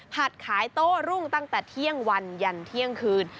ขายโต้รุ่งตั้งแต่เที่ยงวันยันเที่ยงคืน